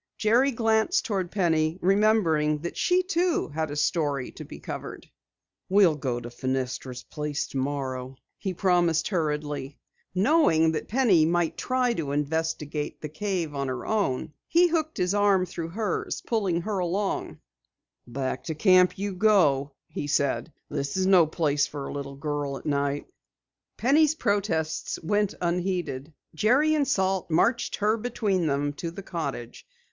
Jerry glanced toward Penny, remembering that she too had a "story" to be covered. "We'll go to Fenestra's place tomorrow," he promised hurriedly. Knowing that Penny might try to investigate the cave alone, he hooked his arm through hers, pulling her along. "Back you go to camp," he said. "This is no place for a little girl at night." Penny's protests went unheeded. Jerry and Salt marched her between them to the cottage.